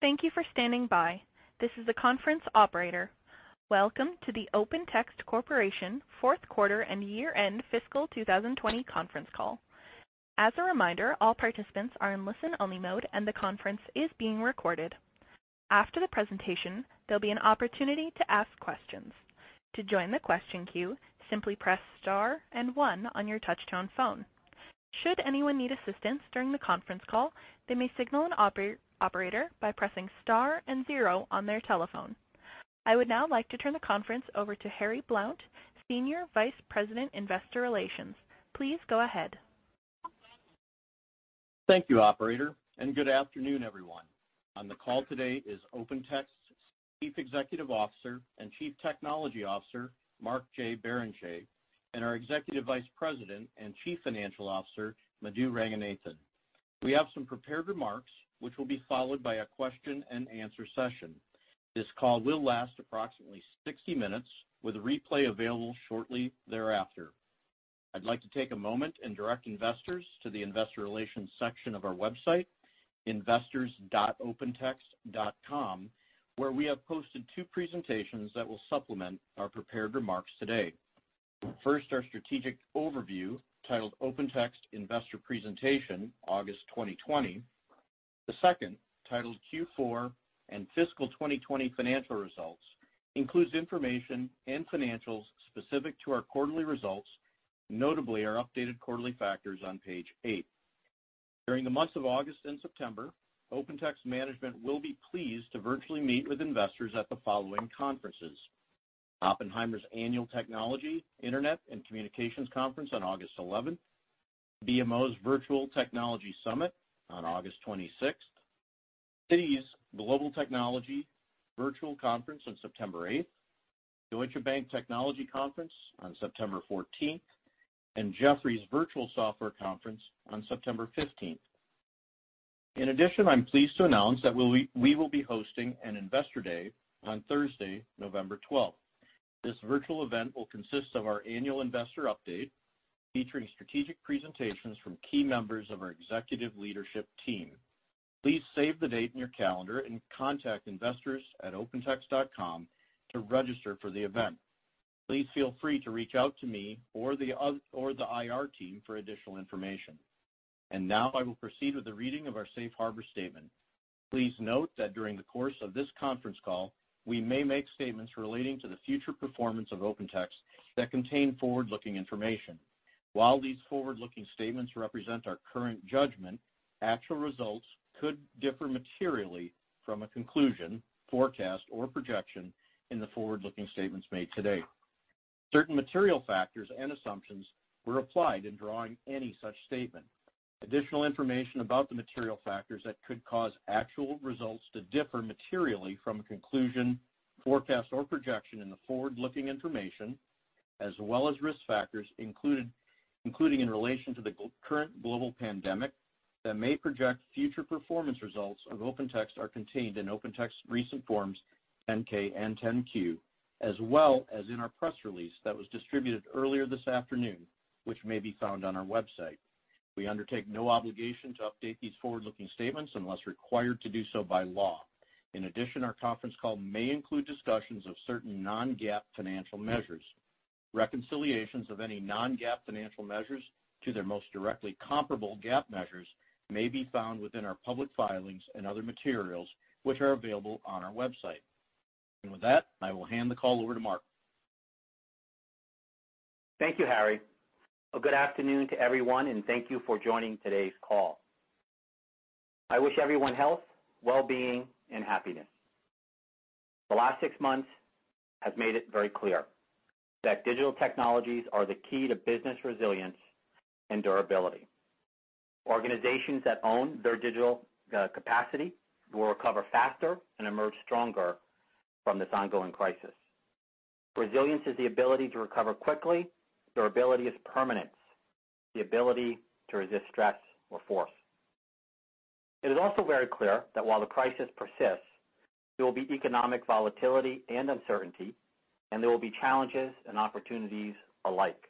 Thank you for standing by. This is the conference operator. Welcome to the Open Text Corporation fourth quarter and year-end fiscal 2020 conference call. As a reminder, all participants are in listen-only mode, and the conference is being recorded. After the presentation, there will be an opportunity to ask questions. To join the question queue, simply press star and one on your touchtone phone. Should anyone need assistance during the conference call, they may signal an operator by pressing star and zero on their telephone. I would now like to turn the conference over to Harry Blount, Senior Vice President, Investor Relations. Please go ahead. Thank you, operator, and good afternoon, everyone. On the call today is Open Text's Chief Executive Officer and Chief Technology Officer, Mark J. Barrenechea, and our Executive Vice President and Chief Financial Officer, Madhu Ranganathan. We have some prepared remarks, which will be followed by a question and answer session. This call will last approximately 60 minutes, with a replay available shortly thereafter. I'd like to take a moment and direct investors to the investor relations section of our website, investors.opentext.com, where we have posted two presentations that will supplement our prepared remarks today. First, our strategic overview, titled Open Text Investor Presentation August 2020. The second, titled Q4 and Fiscal 2020 Financial Results, includes information and financials specific to our quarterly results, notably our updated quarterly factors on page eight. During the months of August and September, Open Text management will be pleased to virtually meet with investors at the following conferences: Oppenheimer's Annual Technology, Internet, and Communications Conference on August 11th, BMO's Virtual Technology Summit on August 26th, Citi's Global Technology Virtual Conference on September 8th, Deutsche Bank Technology Conference on September 14th, and Jefferies Virtual Software Conference on September 15th. In addition, I'm pleased to announce that we will be hosting an Investor Day on Thursday, November 12th. This virtual event will consist of our annual investor update, featuring strategic presentations from key members of our executive leadership team. Please save the date in your calendar and contact investors@opentext.com to register for the event. Please feel free to reach out to me or the IR team for additional information. Now I will proceed with the reading of our Safe Harbor statement. Please note that during the course of this conference call, we may make statements relating to the future performance of Open Text that contain forward-looking information. While these forward-looking statements represent our current judgment, actual results could differ materially from a conclusion, forecast, or projection in the forward-looking statements made today. Certain material factors and assumptions were applied in drawing any such statement. Additional information about the material factors that could cause actual results to differ materially from a conclusion, forecast, or projection in the forward-looking information, as well as risk factors including in relation to the current global pandemic that may project future performance results of Open Text are contained in Open Text's recent forms 10-K and 10-Q, as well as in our press release that was distributed earlier this afternoon, which may be found on our website. We undertake no obligation to update these forward-looking statements unless required to do so by law. In addition, our conference call may include discussions of certain non-GAAP financial measures. Reconciliations of any non-GAAP financial measures to their most directly comparable GAAP measures may be found within our public filings and other materials, which are available on our website. With that, I will hand the call over to Mark. Thank you, Harry. Well, good afternoon to everyone, and thank you for joining today's call. I wish everyone health, well-being, and happiness. The last six months have made it very clear that digital technologies are the key to business resilience and durability. Organizations that own their digital capacity will recover faster and emerge stronger from this ongoing crisis. Resilience is the ability to recover quickly. Durability is permanence, the ability to resist stress or force. It is also very clear that while the crisis persists, there will be economic volatility and uncertainty, and there will be challenges and opportunities alike.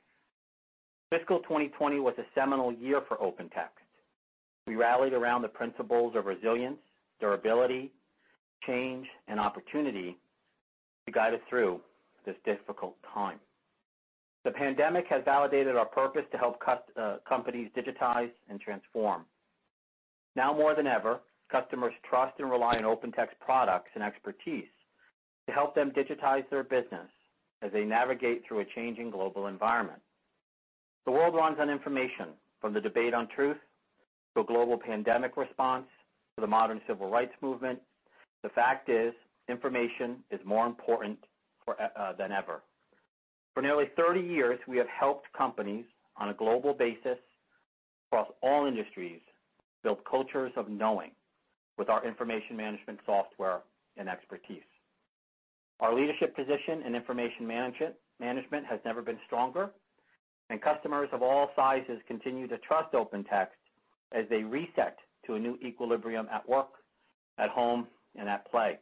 Fiscal 2020 was a seminal year for Open Text. We rallied around the principles of resilience, durability, change, and opportunity to guide us through this difficult time. The pandemic has validated our purpose to help companies digitize and transform. Now more than ever, customers trust and rely on Open Text products and expertise to help them digitize their business as they navigate through a changing global environment. The world runs on information. From the debate on truth, to global pandemic response, to the modern civil rights movement, the fact is information is more important than ever. For nearly 30 years, we have helped companies on a global basis across all industries build cultures of knowing with our information management software and expertise. Our leadership position in information management has never been stronger, and customers of all sizes continue to trust Open Text as they reset to a new equilibrium at work, at home, and at play.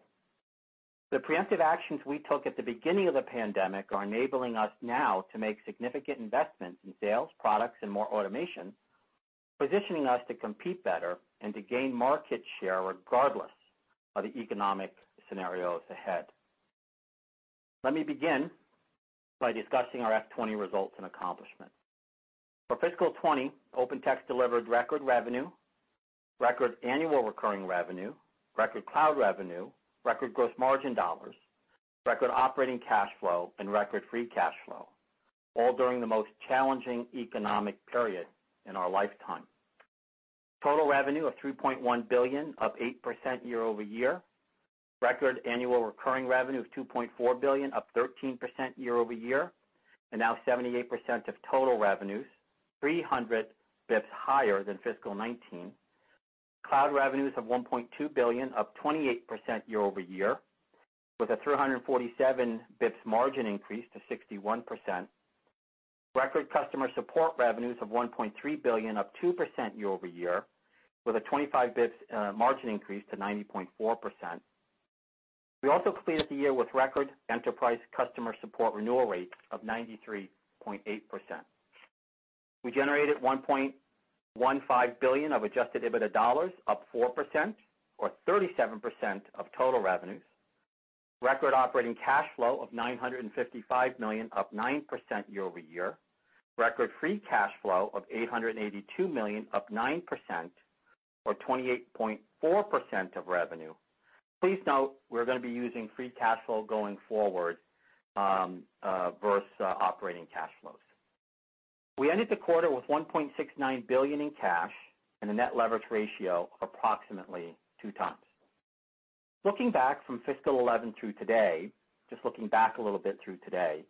The preemptive actions we took at the beginning of the pandemic are enabling us now to make significant investments in sales, products and more automation, positioning us to compete better and to gain market share regardless of the economic scenarios ahead. Let me begin by discussing our FY 2020 results and accomplishments. For fiscal 2020, Open Text delivered record revenue, record annual recurring revenue, record cloud revenue, record gross margin dollars, record operating cash flow, and record free cash flow, all during the most challenging economic period in our lifetime. Total revenue of $3.1 billion, up 8% year-over-year. Record annual recurring revenue of $2.4 billion, up 13% year-over-year and now 78% of total revenues, 300 basis points higher than fiscal 2019. Cloud revenues of $1.2 billion, up 28% year-over-year, with a 347 basis points margin increase to 61%. Record customer support revenues of $1.3 billion, up 2% year-over-year, with a 25 basis points margin increase to 90.4%. We also cleared the year with record enterprise customer support renewal rates of 93.8%. We generated $1.15 billion of adjusted EBITDA dollars, up 4% or 37% of total revenues. Record operating cash flow of $955 million, up 9% year-over-year. Record free cash flow of $882 million, up 9% or 28.4% of revenue. Please note, we're going to be using free cash flow going forward, versus operating cash flows. We ended the quarter with $1.69 billion in cash and a net leverage ratio of approximately two times. Looking back from fiscal 2011 through today, just looking back a little bit through today,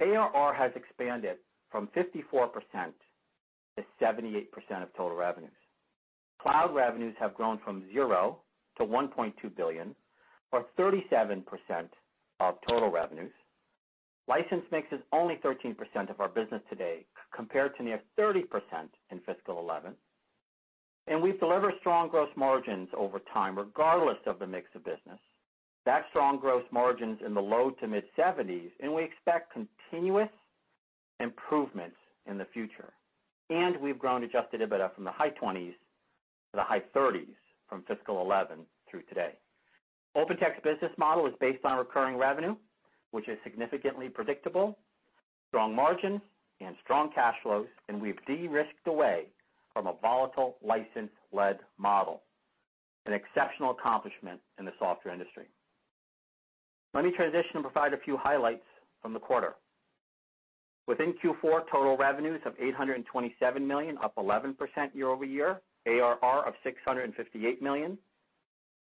ARR has expanded from 54% to 78% of total revenues. Cloud revenues have grown from zero to $1.2 billion, or 37% of total revenues. License mix is only 13% of our business today, compared to near 30% in fiscal 2011. We've delivered strong gross margins over time, regardless of the mix of business. Back strong gross margins in the low to mid-70s%, and we expect continuous improvements in the future. We've grown adjusted EBITDA from the high 20s% to the high 30s% from fiscal 2011 through today. Open Text business model is based on recurring revenue, which is significantly predictable, strong margins and strong cash flows, and we've de-risked away from a volatile license-led model, an exceptional accomplishment in the software industry. Let me transition and provide a few highlights from the quarter. Within Q4, total revenues of $827 million, up 11% year-over-year. ARR of $658 million,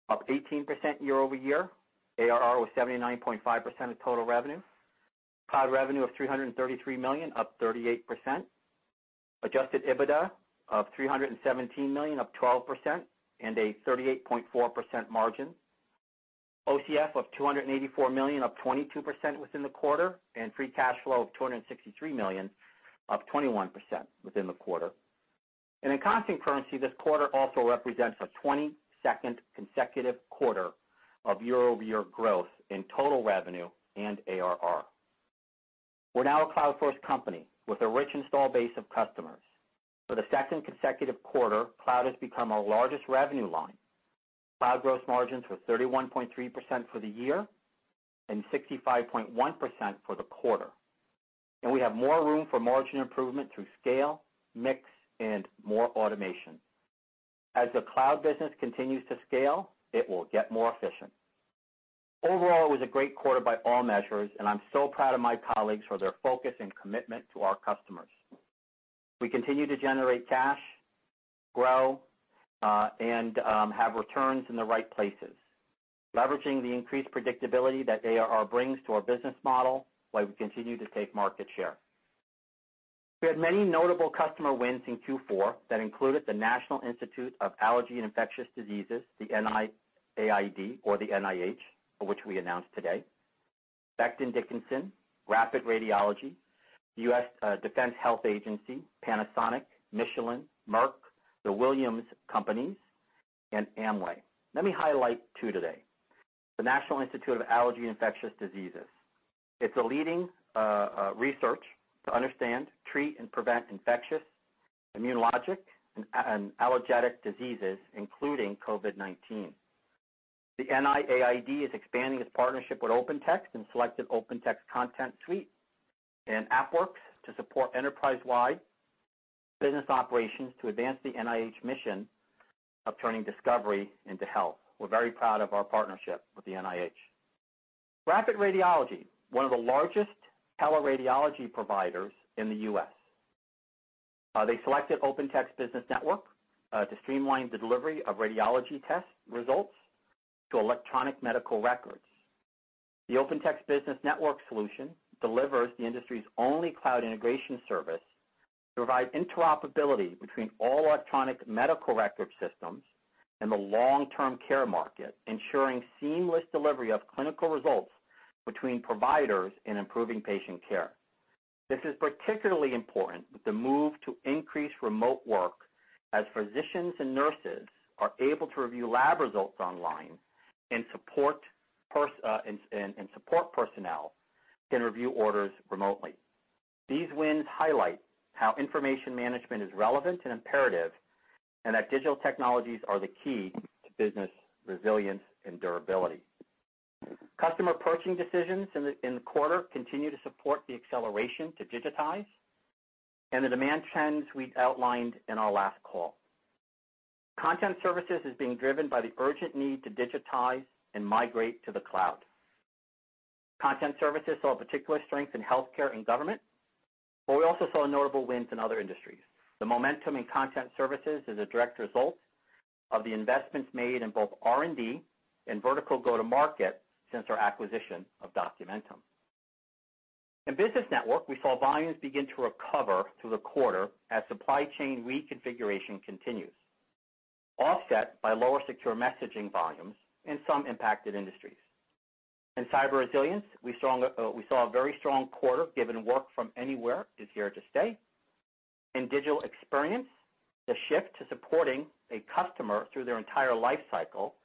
up 18% year-over-year. ARR was 79.5% of total revenue. Cloud revenue of $333 million, up 38%. Adjusted EBITDA of $317 million, up 12%, and a 38.4% margin. OCF of $284 million, up 22% within the quarter, and free cash flow of $263 million, up 21% within the quarter. In constant currency, this quarter also represents our 22nd consecutive quarter of year-over-year growth in total revenue and ARR. We're now a cloud-first company with a rich install base of customers. For the second consecutive quarter, Cloud has become our largest revenue line. Cloud gross margins were 61.3% for the year and 65.1% for the quarter. We have more room for margin improvement through scale, mix and more automation. As the cloud business continues to scale, it will get more efficient. Overall, it was a great quarter by all measures, and I'm so proud of my colleagues for their focus and commitment to our customers. We continue to generate cash, grow, and have returns in the right places, leveraging the increased predictability that ARR brings to our business model while we continue to take market share. We had many notable customer wins in Q4 that included the National Institute of Allergy and Infectious Diseases, the NIAID or the NIH, which we announced today. Becton Dickinson, Rapid Radiology, U.S. Defense Health Agency, Panasonic, Michelin, Merck, the Williams Companies, and Amway. Let me highlight two today. The National Institute of Allergy Infectious Diseases. It's a leading research to understand, treat, and prevent infectious, immunologic, and allergenic diseases, including COVID-19. The NIAID is expanding its partnership with Open Text and selected Open Text Content Suite and AppWorks to support enterprise-wide business operations to advance the NIH mission of turning discovery into health. We're very proud of our partnership with the NIH. Rapid Radiology, one of the largest teleradiology providers in the U.S. They selected Open Text Business Network to streamline the delivery of radiology test results to electronic medical records. The Open Text Business Network solution delivers the industry's only cloud integration service to provide interoperability between all electronic medical record systems and the long-term care market, ensuring seamless delivery of clinical results between providers and improving patient care. This is particularly important with the move to increase remote work as physicians and nurses are able to review lab results online and support personnel can review orders remotely. These wins highlight how information management is relevant and imperative, and that digital technologies are the key to business resilience and durability. Customer purchasing decisions in the quarter continue to support the acceleration to digitize and the demand trends we outlined in our last call. Content Services is being driven by the urgent need to digitize and migrate to the cloud. Content Services saw a particular strength in healthcare and government, but we also saw notable wins in other industries. The momentum in Content Services is a direct result of the investments made in both R&D and vertical go-to-market since our acquisition of Documentum. In Business Network, we saw volumes begin to recover through the quarter as supply chain reconfiguration continues, offset by lower secure messaging volumes in some impacted industries. In Cyber Resilience, we saw a very strong quarter given work from anywhere is here to stay. In Digital Experience, the shift to supporting a customer through their entire life cycle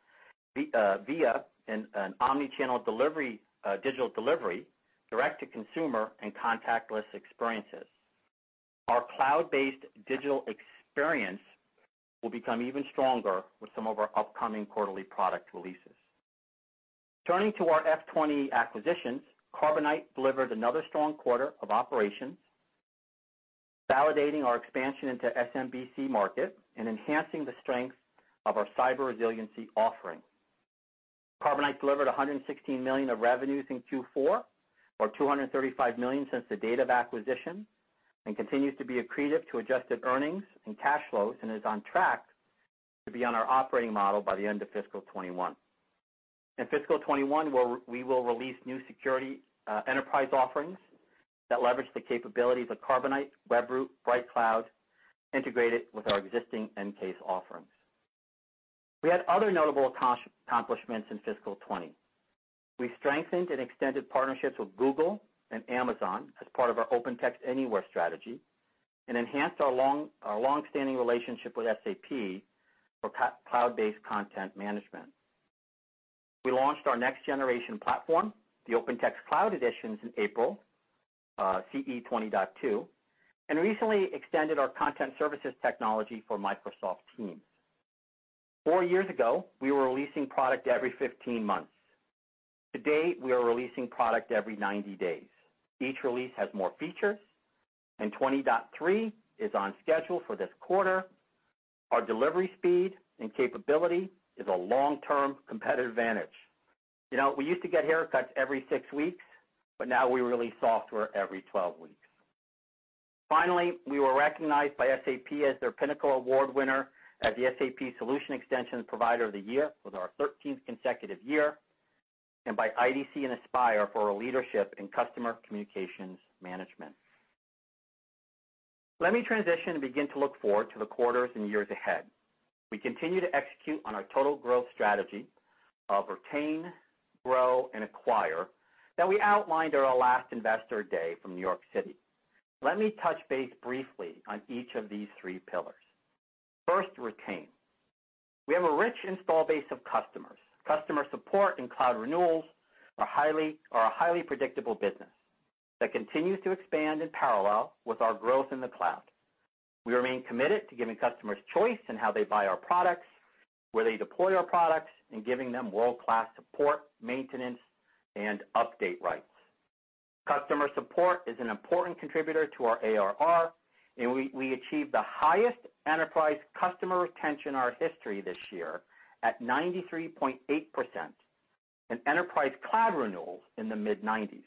via an omni-channel digital delivery direct to consumer and contactless experiences. Our cloud-based digital experience will become even stronger with some of our upcoming quarterly product releases. Turning to our FY 2020 acquisitions, Carbonite delivered another strong quarter of operations, validating our expansion into SMB market and enhancing the strength of our cyber resiliency offering. Carbonite delivered $116 million of revenues in Q4 or $235 million since the date of acquisition and continues to be accretive to adjusted earnings and cash flows and is on track to be on our operating model by the end of fiscal 2021. In fiscal 2021, we will release new security enterprise offerings that leverage the capabilities of Carbonite, Webroot, BrightCloud integrated with our existing EnCase offerings. We had other notable accomplishments in fiscal 2020. We strengthened and extended partnerships with Google and Amazon as part of our Open Text Anywhere strategy and enhanced our longstanding relationship with SAP for cloud-based content management. We launched our next-generation platform, the Open Text Cloud Editions in April, CE 20.2, and recently extended our Content Services technology for Microsoft Teams. Four years ago, we were releasing product every 15 months. Today, we are releasing product every 90 days. Each release has more features, and 20.3 is on schedule for this quarter. Our delivery speed and capability is a long-term competitive advantage. We used to get haircuts every six weeks, but now we release software every 12 weeks. Finally, we were recognized by SAP as their Pinnacle Award winner as the SAP Solution Extension Provider of the Year for our 13th consecutive year, and by IDC and Aspire for our leadership in customer communications management. Let me transition and begin to look forward to the quarters and years ahead. We continue to execute on our total growth strategy of retain, grow, and acquire that we outlined at our last Investor Day from New York City. Let me touch base briefly on each of these three pillars. First, retain. We have a rich install base of customers. Customer support and cloud renewals are a highly predictable business that continues to expand in parallel with our growth in the cloud. We remain committed to giving customers choice in how they buy our products, where they deploy our products, and giving them world-class support, maintenance, and update rights. Customer support is an important contributor to our ARR, and we achieved the highest enterprise customer retention in our history this year at 93.8%, and enterprise cloud renewals in the mid-90s.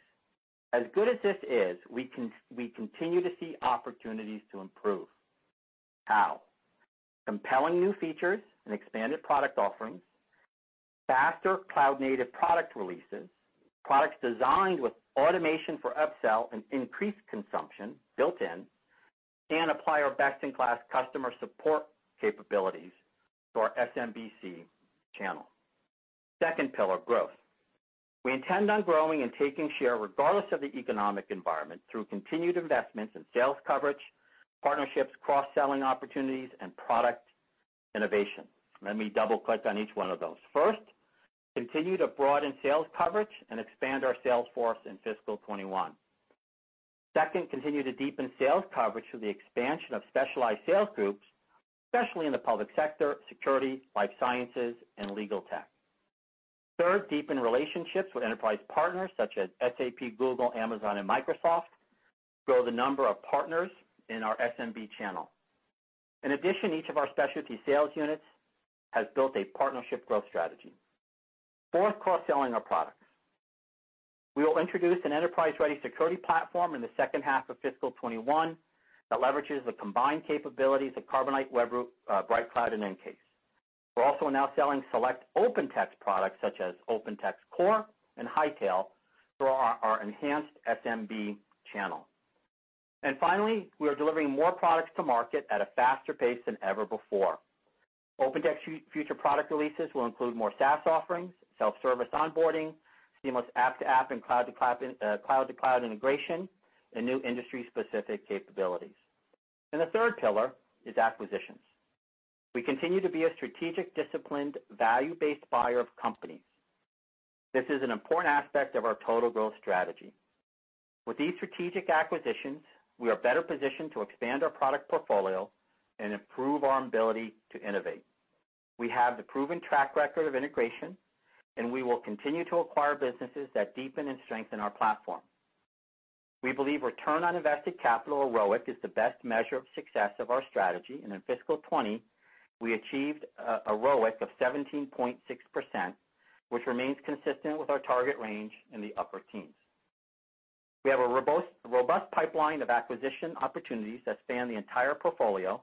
As good as this is, we continue to see opportunities to improve. How? Compelling new features and expanded product offerings, faster cloud native product releases, products designed with automation for upsell and increased consumption built in, and apply our best-in-class customer support capabilities to our SMB channel. Second pillar, growth. We intend on growing and taking share regardless of the economic environment through continued investments in sales coverage, partnerships, cross-selling opportunities, and product innovation. Let me double-click on each one of those. First, continue to broaden sales coverage and expand our sales force in fiscal 2021. Second, continue to deepen sales coverage through the expansion of specialized sales groups, especially in the public sector, security, life sciences, and legal tech. Third, deepen relationships with enterprise partners such as SAP, Google, Amazon, and Microsoft. Grow the number of partners in our SMB channel. In addition, each of our specialty sales units has built a partnership growth strategy. Fourth, cross-selling our products. We will introduce an enterprise-ready security platform in the second half of fiscal 2021 that leverages the combined capabilities of Carbonite, Webroot, BrightCloud, and EnCase. We're also now selling select Open Text products such as Open Text Core and Hightail through our enhanced SMB channel. Finally, we are delivering more products to market at a faster pace than ever before. Open Text future product releases will include more SaaS offerings, self-service onboarding, seamless app-to-app and cloud-to-cloud integration, and new industry-specific capabilities. The third pillar is acquisitions. We continue to be a strategic, disciplined, value-based buyer of companies. This is an important aspect of our total growth strategy. With these strategic acquisitions, we are better positioned to expand our product portfolio and improve our ability to innovate. We have the proven track record of integration, and we will continue to acquire businesses that deepen and strengthen our platform. We believe return on invested capital, or ROIC, is the best measure of success of our strategy. In fiscal 2020, we achieved a ROIC of 17.6%, which remains consistent with our target range in the upper teens. We have a robust pipeline of acquisition opportunities that span the entire portfolio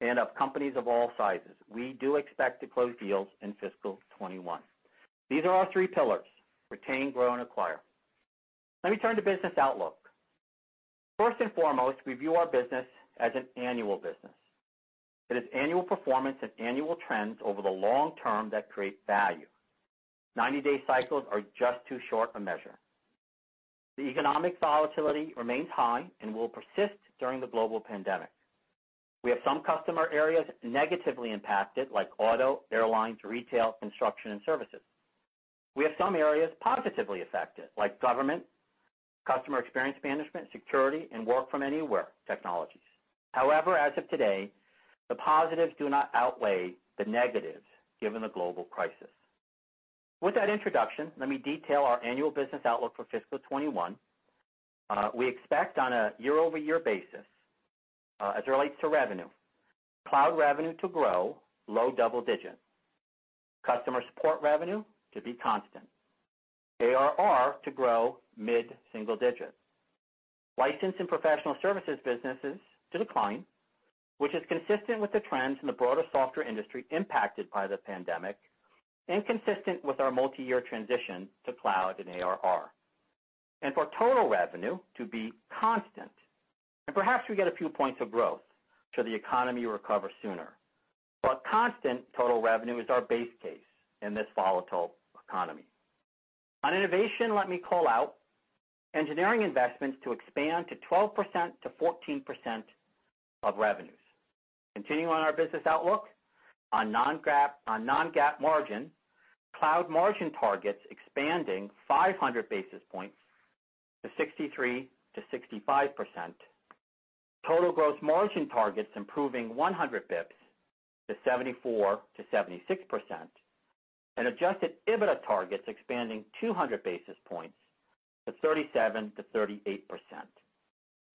and of companies of all sizes. We do expect to close deals in fiscal 2021. These are our three pillars: retain, grow, and acquire. Let me turn to business outlook. First and foremost, we view our business as an annual business. It is annual performance and annual trends over the long term that create value. 90-day cycles are just too short a measure. The economic volatility remains high and will persist during the global pandemic. We have some customer areas negatively impacted, like auto, airlines, retail, construction, and services. We have some areas positively affected, like government, customer experience management, security, and work-from-anywhere technologies. However, as of today, the positives do not outweigh the negatives given the global crisis. With that introduction, let me detail our annual business outlook for fiscal 2021. We expect on a year-over-year basis, as it relates to revenue, cloud revenue to grow low double digits, customer support revenue to be constant, ARR to grow mid-single digits, license and professional services businesses to decline, which is consistent with the trends in the broader software industry impacted by the pandemic and consistent with our multi-year transition to cloud and ARR. For total revenue to be constant, and perhaps we get a few points of growth should the economy recover sooner. Constant total revenue is our base case in this volatile economy. On innovation, let me call out engineering investments to expand to 12%-14% of revenues. Continuing on our business outlook, on non-GAAP margin, cloud margin targets expanding 500 basis points to 63%-65%, total gross margin targets improving 100 basis points to 74%-76%, and adjusted EBITDA targets expanding 200 basis points to 37%-38%.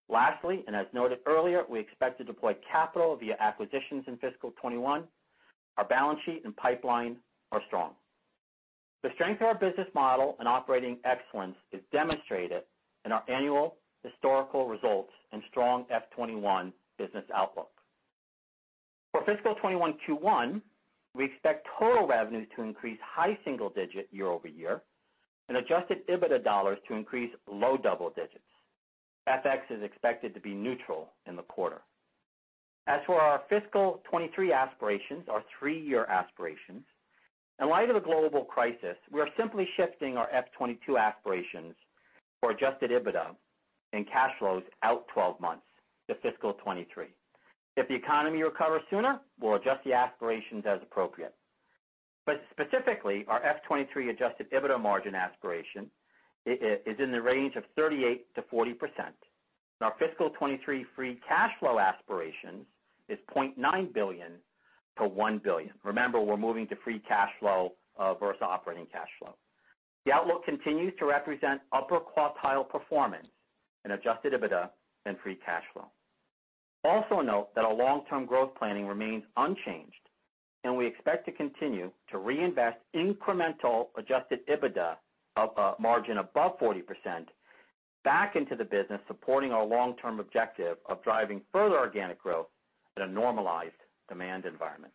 Lastly, and as noted earlier, we expect to deploy capital via acquisitions in fiscal 2021. Our balance sheet and pipeline are strong. The strength of our business model and operating excellence is demonstrated in our annual historical results and strong FY 2021 business outlook. For fiscal 2021 Q1, we expect total revenue to increase high single-digit year-over-year, and adjusted EBITDA dollars to increase low double-digits. FX is expected to be neutral in the quarter. As for our fiscal 2023 aspirations, our three-year aspirations, in light of the global crisis, we are simply shifting our FY 2022 aspirations for adjusted EBITDA and cash flows out 12 months to fiscal 2023. If the economy recovers sooner, we'll adjust the aspirations as appropriate. Specifically, our FY 2023 adjusted EBITDA margin aspiration is in the range of 38%-40%. Our fiscal 2023 free cash flow aspiration is $0.9 billion-$1 billion. Remember, we're moving to free cash flow versus operating cash flow. The outlook continues to represent upper quartile performance in adjusted EBITDA and free cash flow. Also note that our long-term growth planning remains unchanged, and we expect to continue to reinvest incremental adjusted EBITDA margin above 40% back into the business, supporting our long-term objective of driving further organic growth in a normalized demand environment.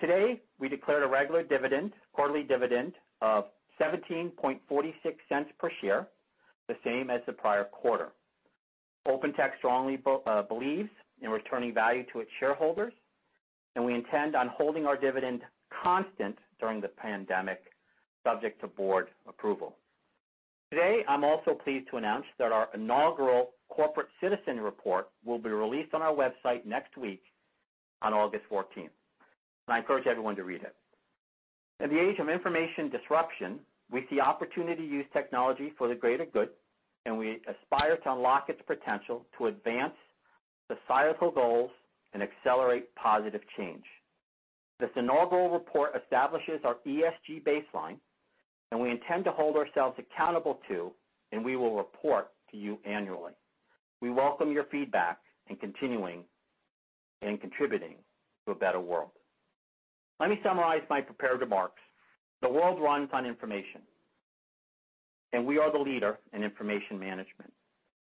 Today, we declared a regular dividend, quarterly dividend, of $0.1746 per share, the same as the prior quarter. Open Text strongly believes in returning value to its shareholders, and we intend on holding our dividend constant during the pandemic, subject to board approval. Today, I'm also pleased to announce that our inaugural corporate citizen report will be released on our website next week on August 14th. I encourage everyone to read it. In the age of information disruption, we see opportunity to use technology for the greater good, and we aspire to unlock its potential to advance societal goals and accelerate positive change. This inaugural report establishes our ESG baseline, and we intend to hold ourselves accountable to, and we will report to you annually. We welcome your feedback in continuing and contributing to a better world. Let me summarize my prepared remarks. The world runs on information. We are the leader in information management.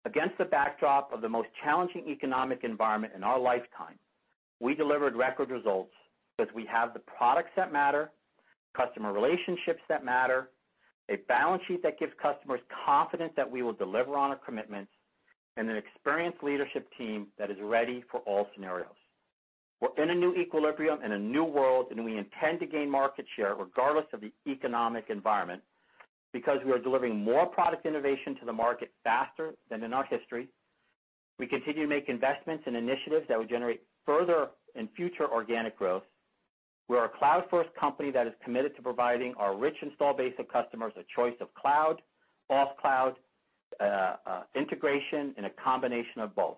Against the backdrop of the most challenging economic environment in our lifetime, we delivered record results because we have the products that matter, customer relationships that matter, a balance sheet that gives customers confidence that we will deliver on our commitments. An experienced leadership team that is ready for all scenarios. We're in a new equilibrium and a new world. We intend to gain market share regardless of the economic environment, because we are delivering more product innovation to the market faster than in our history. We continue to make investments in initiatives that will generate further and future organic growth. We are a cloud-first company that is committed to providing our rich install base of customers a choice of cloud, off cloud, integration, and a combination of both.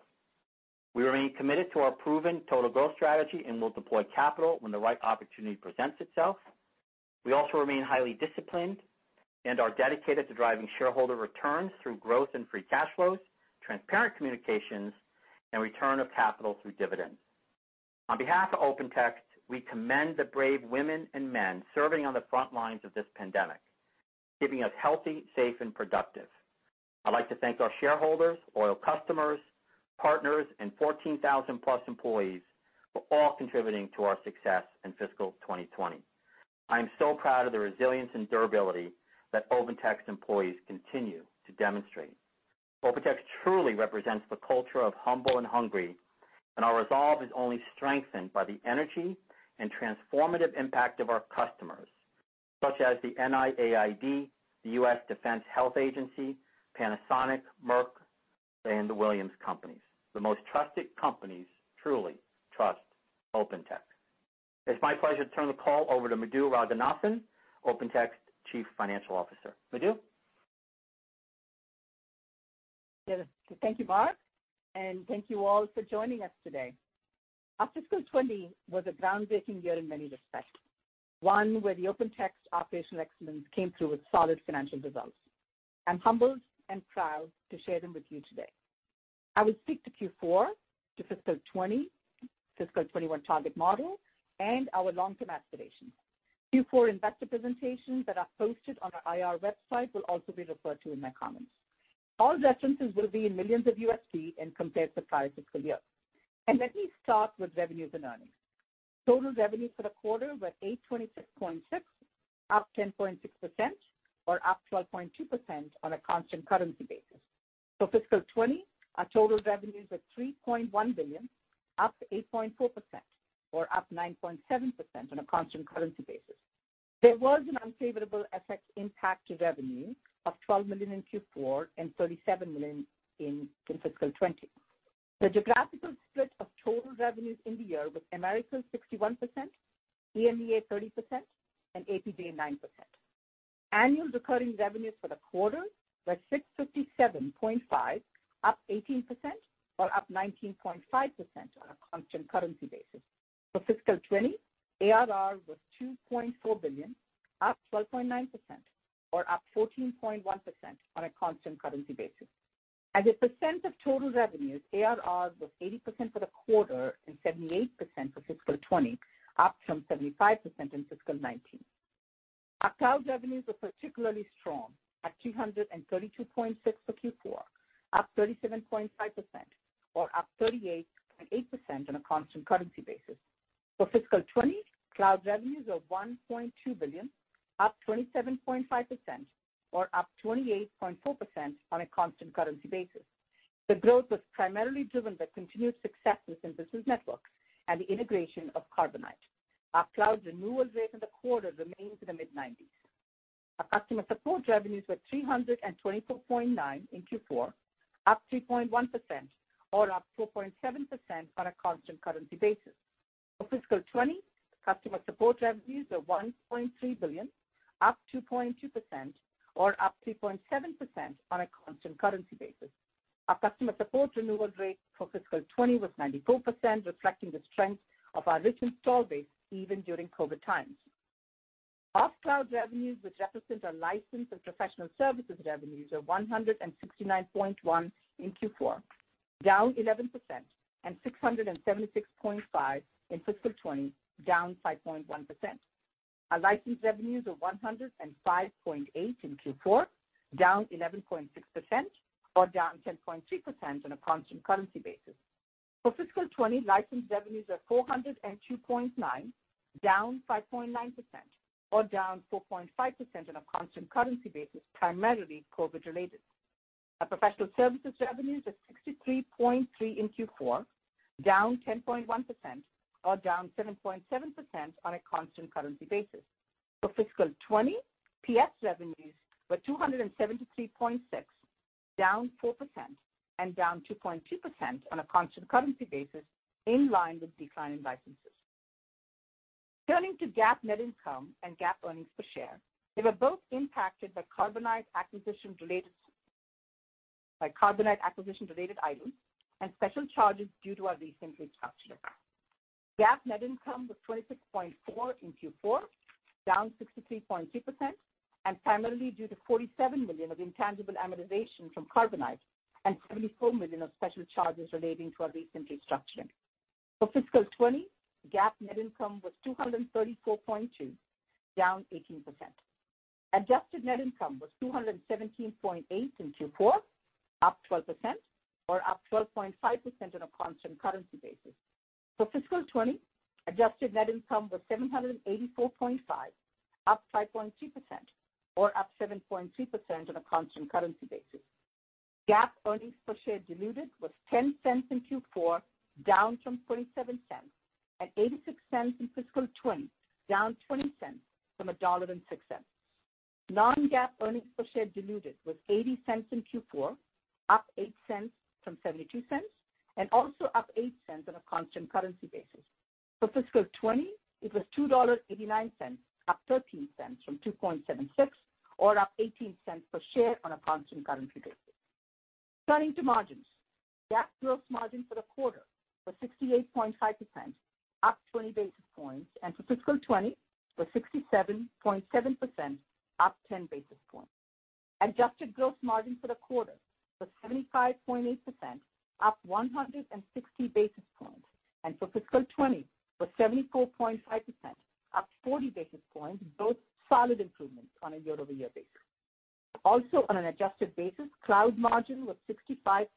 We remain committed to our proven total growth strategy and will deploy capital when the right opportunity presents itself. We also remain highly disciplined and are dedicated to driving shareholder returns through growth and free cash flows, transparent communications, and return of capital through dividends. On behalf of Open Text, we commend the brave women and men serving on the front lines of this pandemic, keeping us healthy, safe, and productive. I'd like to thank our shareholders, loyal customers, partners, and 14,000-plus employees for all contributing to our success in fiscal 2020. I am so proud of the resilience and durability that Open Text employees continue to demonstrate. Open Text truly represents the culture of humble and hungry, and our resolve is only strengthened by the energy and transformative impact of our customers, such as the NIAID, the U.S. Defense Health Agency, Panasonic, Merck, and the Williams Companies. The most trusted companies truly trust Open Text. It's my pleasure to turn the call over to Madhu Ranganathan, Open Text Chief Financial Officer. Madhu? Thank you, Mark. Thank you all for joining us today. Our fiscal 2020 was a groundbreaking year in many respects. One where the Open Text operational excellence came through with solid financial results. I'm humbled and proud to share them with you today. I will speak to Q4, to fiscal 2020, fiscal 2021 target model, and our long-term aspirations. Q4 investor presentations that are posted on our IR website will also be referred to in my comments. All references will be in millions of USD and compared to prior fiscal year. Let me start with revenues and earnings. Total revenues for the quarter were $826.6, up 10.6%, or up 12.2% on a constant currency basis. For fiscal 2020, our total revenues were $3.1 billion, up 8.4%, or up 9.7% on a constant currency basis. There was an unfavorable FX impact to revenue of $12 million in Q4 and $37 million in fiscal 2020. The geographical split of total revenues in the year was Americas 61%, EMEA 30%, and APJ 9%. Annual recurring revenues for the quarter were $657.5 million, up 18%, or up 19.5% on a constant currency basis. For fiscal 2020, ARR was $2.4 billion, up 12.9%, or up 14.1% on a constant currency basis. As a % of total revenues, ARR was 80% for the quarter and 78% for fiscal 2020, up from 75% in fiscal 2019. Our cloud revenues were particularly strong at $332.6 million for Q4, up 37.5%, or up 38.8% on a constant currency basis. For fiscal 2020, cloud revenues of $1.2 billion, up 27.5%, or up 28.4% on a constant currency basis. The growth was primarily driven by continued success with Open Text Business Network and the integration of Carbonite. Our cloud renewal rate in the quarter remains in the mid-90s. Our customer support revenues were $324.9 in Q4, up 3.1%, or up 2.7% on a constant currency basis. For fiscal 2020, customer support revenues of $1.3 billion, up 2.2%, or up 3.7% on a constant currency basis. Our customer support renewal rate for fiscal 2020 was 94%, reflecting the strength of our rich install base, even during COVID-19 times. Off-cloud revenues, which represent our license and professional services revenues, are $169.1 in Q4, down 11%, and $676.5 in fiscal 2020, down 5.1%. Our license revenues are $105.8 in Q4, down 11.6%, or down 10.3% on a constant currency basis. For fiscal 2020, license revenues are $402.9, down 5.9%, or down 4.5% on a constant currency basis, primarily COVID-19 related. Our professional services revenues are $63.3 in Q4, down 10.1%, or down 7.7% on a constant currency basis. For fiscal 2020, PS revenues were $273.6, down 4%, and down 2.2% on a constant currency basis, in line with declining licenses. Turning to GAAP net income and GAAP earnings per share, they were both impacted by Carbonite acquisition-related items and special charges due to our recent restructuring. GAAP net income was $26.4 in Q4, down 63.2%, and primarily due to $47 million of intangible amortization from Carbonite and $24 million of special charges relating to our recent restructuring. For fiscal 2020, GAAP net income was $234.2, down 18%. Adjusted net income was $217.8 in Q4, up 12%, or up 12.5% on a constant currency basis. For fiscal 2020, adjusted net income was $784.5, up 5.2%, or up 7.2% on a constant currency basis. GAAP earnings per share diluted was $0.10 in Q4, down from $0.27, and $0.86 in fiscal 2020, down $0.20 from $1.06. Non-GAAP earnings per share diluted was $0.80 in Q4, up $0.08 from $0.72, and also up $0.08 on a constant currency basis. For fiscal 2020, it was $2.89, up $0.13 from $2.76, or up $0.18 per share on a constant currency basis. Turning to margins. GAAP gross margin for the quarter was 68.5%, up 20 basis points, and for fiscal 2020 was 67.7%, up 10 basis points. Adjusted gross margin for the quarter was 75.8%, up 160 basis points, and for fiscal 2020 was 74.5%, up 40 basis points, both solid improvements on a year-over-year basis. Also on an adjusted basis, cloud margin was 65.1%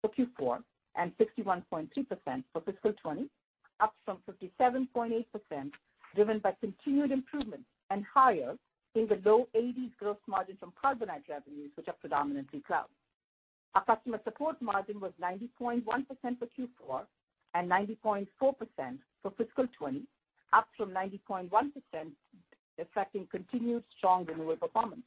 for Q4 and 61.3% for fiscal 2020, up from 57.8%, driven by continued improvements and higher in the low 80s gross margin from Carbonite revenues, which are predominantly cloud. Our customer support margin was 90.1% for Q4 and 90.4% for fiscal 2020, up from 90.1%, affecting continued strong renewal performance.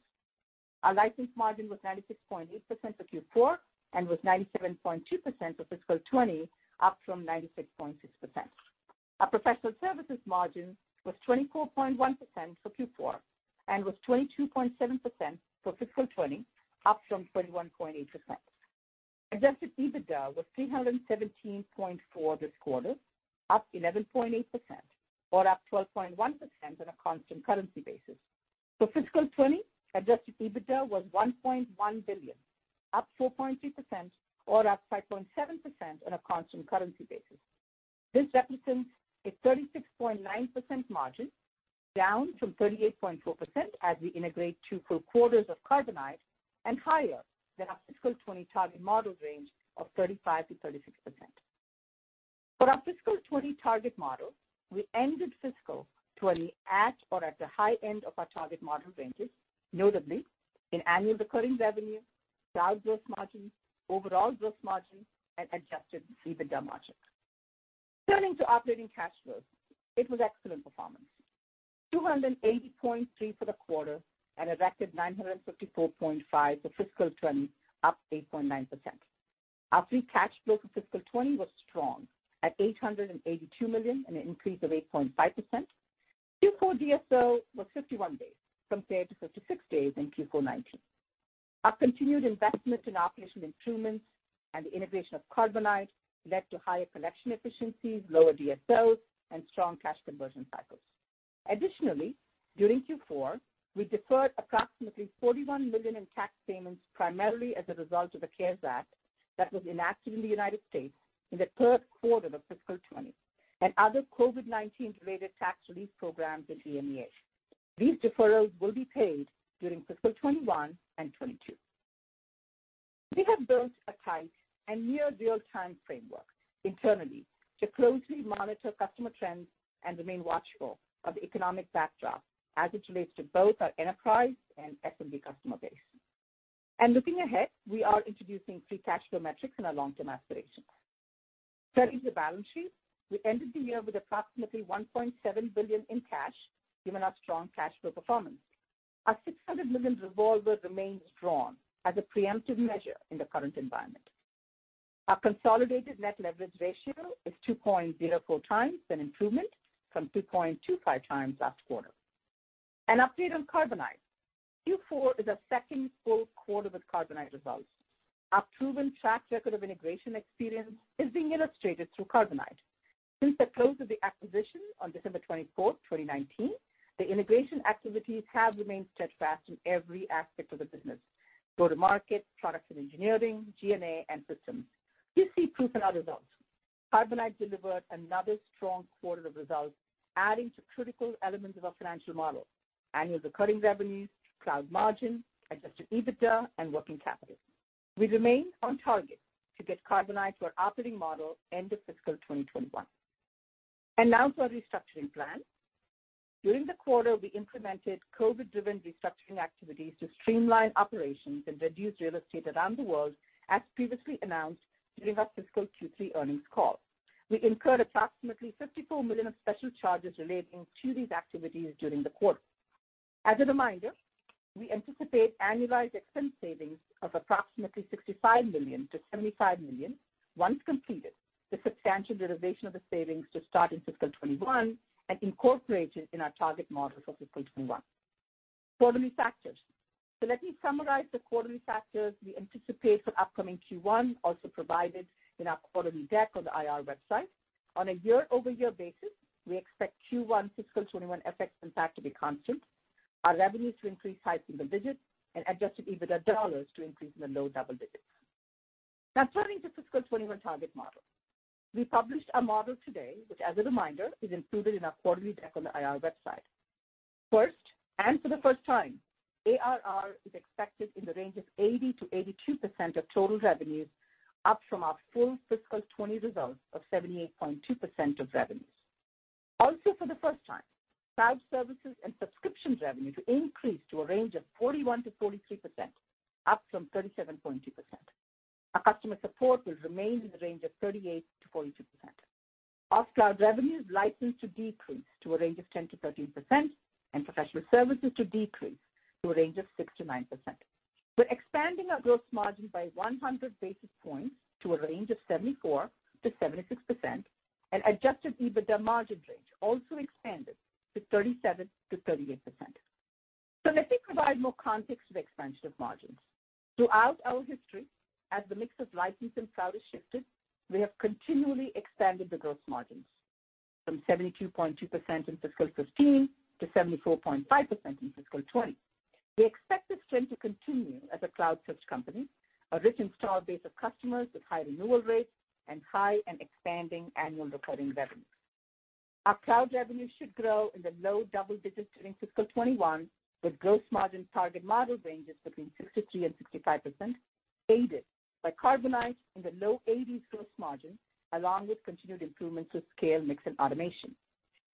Our license margin was 96.8% for Q4 and was 97.2% for fiscal 2020, up from 96.6%. Our professional services margin was 24.1% for Q4 and was 22.7% for fiscal 2020, up from 21.8%. Adjusted EBITDA was $317.4 this quarter, up 11.8%, or up 12.1% on a constant currency basis. For fiscal 2020, adjusted EBITDA was $1.1 billion, up 4.3%, or up 5.7% on a constant currency basis. This represents a 36.9% margin, down from 38.4% as we integrate two full quarters of Carbonite and higher than our fiscal 2020 target model range of 35%-36%. For our fiscal 2020 target model, we ended fiscal 2020 at or at the high end of our target model ranges, notably in annual recurring revenue, cloud gross margin, overall gross margin, and adjusted EBITDA margin. Turning to operating cash flow. It was excellent performance. $280.3 for the quarter and a record $954.5 for fiscal 2020, up 8.9%. Our free cash flow for fiscal 2020 was strong at $882 million and an increase of 8.5%. Q4 DSO was 51 days compared to 56 days in Q4 2019. Our continued investment in operational improvements and the integration of Carbonite led to higher collection efficiencies, lower DSOs, and strong cash conversion cycles. Additionally, during Q4, we deferred approximately $41 million in tax payments primarily as a result of the CARES Act that was enacted in the United States in the third quarter of fiscal 2020 and other COVID-19 related tax relief programs in EMEA. These deferrals will be paid during fiscal 2021 and 2022. We have built a tight and near real-time framework internally to closely monitor customer trends and remain watchful of the economic backdrop as it relates to both our enterprise and SMB customer base. Looking ahead, we are introducing free cash flow metrics in our long-term aspirations. Turning to the balance sheet. We ended the year with approximately $1.7 billion in cash, given our strong cash flow performance. Our $600 million revolver remains drawn as a preemptive measure in the current environment. Our consolidated net leverage ratio is 2.04 times, an improvement from 2.25 times last quarter. An update on Carbonite. Q4 is our second full quarter with Carbonite results. Our proven track record of integration experience is being illustrated through Carbonite. Since the close of the acquisition on December 24th, 2019, the integration activities have remained steadfast in every aspect of the business: go-to-market, product and engineering, G&A, and systems. You see proof in our results. Carbonite delivered another strong quarter of results, adding to critical elements of our financial model: annual recurring revenues, cloud margin, adjusted EBITDA, and working capital. We remain on target to get Carbonite to our operating model end of fiscal 2021. Now to our restructuring plan. During the quarter, we implemented COVID-driven restructuring activities to streamline operations and reduce real estate around the world, as previously announced during our fiscal Q3 earnings call. We incurred approximately $54 million of special charges relating to these activities during the quarter. As a reminder, we anticipate annualized expense savings of approximately $65 million-$75 million once completed, with substantial realization of the savings to start in fiscal 2021 and incorporated in our target model for fiscal 2021. Let me summarize the quarterly factors we anticipate for upcoming Q1, also provided in our quarterly deck on the IR website. On a year-over-year basis, we expect Q1 fiscal 2021 FX impact to be constant, our revenues to increase high single digits, and adjusted EBITDA dollars to increase in the low double digits. Now turning to fiscal 2021 target model. We published our model today, which as a reminder, is included in our quarterly deck on the IR website. First, and for the first time, ARR is expected in the range of 80%-82% of total revenues, up from our full fiscal 2020 results of 78.2% of revenues. For the first time, cloud services and subscription revenue to increase to a range of 41%-43%, up from 37.2%. Our customer support will remain in the range of 38%-42%. Off-cloud revenues license to decrease to a range of 10%-13%, and professional services to decrease to a range of 6%-9%. We're expanding our gross margin by 100 basis points to a range of 74%-76%, and adjusted EBITDA margin range also expanded to 37%-38%. Let me provide more context to the expansion of margins. Throughout our history, as the mix of license and cloud has shifted, we have continually expanded the gross margins from 72.2% in fiscal 2015 to 74.5% in fiscal 2020. We expect this trend to continue as a cloud-first company, a rich installed base of customers with high renewal rates, and high and expanding annual recurring revenue. Our cloud revenue should grow in the low double digits during fiscal 2021, with gross margin target model ranges between 63%-65%, aided by Carbonite in the low 80s% gross margin, along with continued improvements with scale, mix, and automation.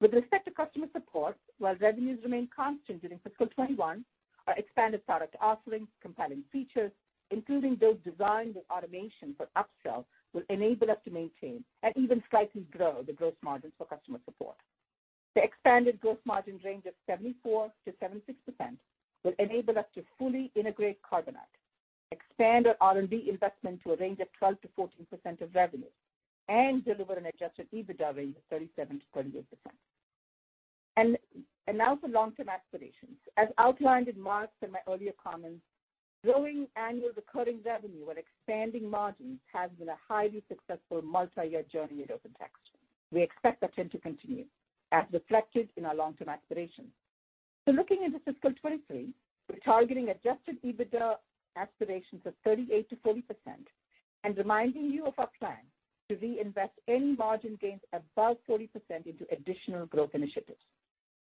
With respect to customer support, while revenues remain constant during fiscal 2021, our expanded product offerings, compelling features, including those designed with automation for upsell, will enable us to maintain and even slightly grow the gross margins for customer support. The expanded gross margin range of 74%-76% will enable us to fully integrate Carbonite, expand our R&D investment to a range of 12%-14% of revenue, and deliver an adjusted EBITDA range of 37%-38%. Now for long-term aspirations. As outlined in Mark's and my earlier comments, growing annual recurring revenue and expanding margins has been a highly successful multi-year journey at Open Text. We expect that trend to continue, as reflected in our long-term aspirations. Looking into fiscal 2023, we're targeting adjusted EBITDA aspirations of 38%-40% and reminding you of our plan to reinvest any margin gains above 40% into additional growth initiatives.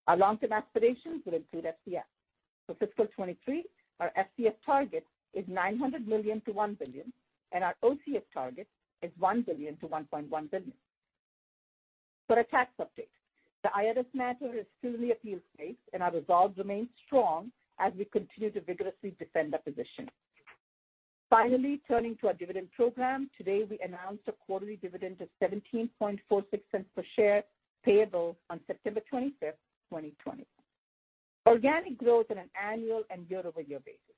Our long-term aspirations will include FCF. For fiscal 2023, our FCF target is $900 million-$1 billion, and our OCF target is $1 billion-$1.1 billion. For a tax update, the IRS matter is still in the appeals phase, and our resolve remains strong as we continue to vigorously defend our position. Finally, turning to our dividend program, today, we announced a quarterly dividend of $0.1746 per share, payable on September 25th, 2020. Organic growth on an annual and year-over-year basis.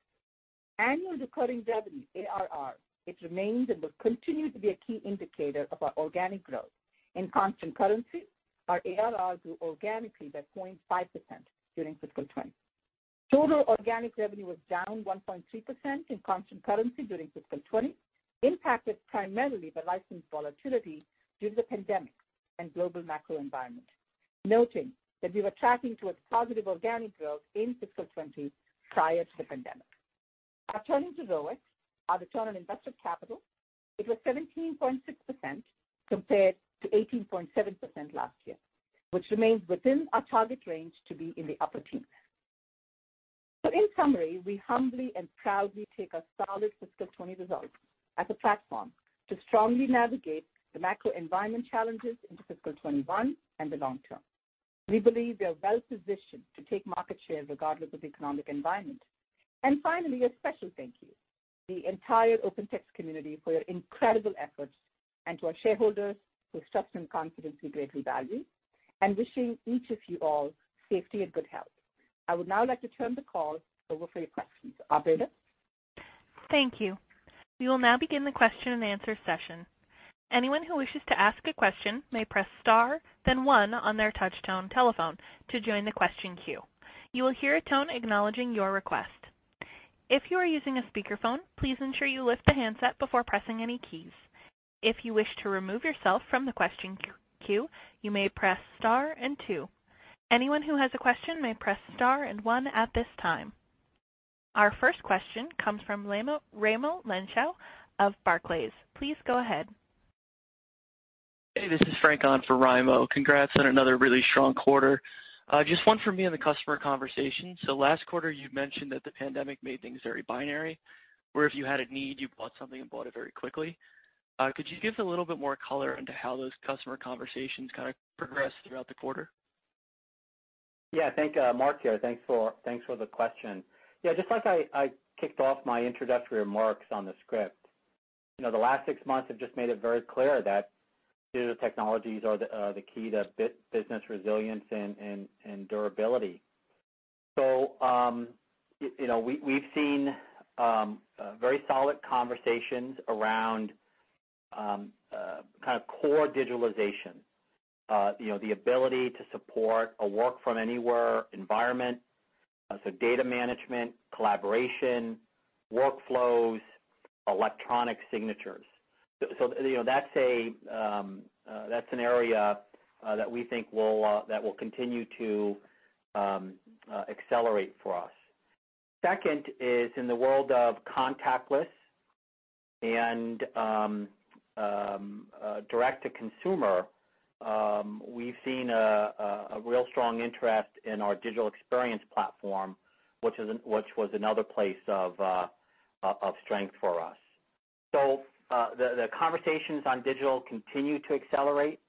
Annual recurring revenue, ARR, it remains and will continue to be a key indicator of our organic growth. In constant currency, our ARR grew organically by 0.5% during fiscal 2020. Total organic revenue was down 1.3% in constant currency during fiscal 2020, impacted primarily by license volatility due to the pandemic and global macro environment, noting that we were tracking towards positive organic growth in fiscal 2020 prior to the pandemic. Turning to ROIC, our return on invested capital, it was 17.6% compared to 18.7% last year, which remains within our target range to be in the upper teens. In summary, we humbly and proudly take our solid fiscal 2020 results as a platform to strongly navigate the macro environment challenges into fiscal 2021 and the long term. We believe we are well-positioned to take market share regardless of the economic environment. Finally, a special thank you to the entire Open Text community for your incredible efforts and to our shareholders, whose trust and confidence we greatly value, and wishing each of you all safety and good health. I would now like to turn the call over for your questions. Operator? Thank you. We will now begin the question and answer session. Our first question comes from Raimo Lenschow of Barclays. Please go ahead. Hey, this is Frank on for Raimo. Congrats on another really strong quarter. Just one for me on the customer conversation. Last quarter you mentioned that the pandemic made things very binary, where if you had a need, you bought something and bought it very quickly. Could you give us a little bit more color into how those customer conversations kind of progressed throughout the quarter? Mark here. Thanks for the question. Just like I kicked off my introductory remarks on the script, the last six months have just made it very clear that digital technologies are the key to business resilience and durability. We've seen very solid conversations around core digitalization. The ability to support a work-from-anywhere environment, so data management, collaboration, workflows, electronic signatures. That's an area that we think that will continue to accelerate for us. Second is in the world of contactless and direct-to-consumer, we've seen a real strong interest in our digital experience platform, which was another place of strength for us. The conversations on digital continue to accelerate.